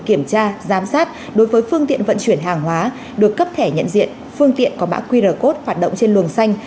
kiểm tra giám sát đối với phương tiện vận chuyển hàng hóa được cấp thẻ nhận diện phương tiện có mã qr code hoạt động trên luồng xanh